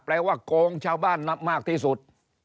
แปลว่าโกงชาวบ้านมากที่สุด